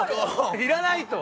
いらないと。